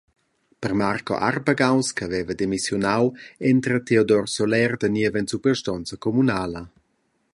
Per Marco Arpagaus che haveva demissiunau entra Teodor Solèr da niev en suprastonza communala.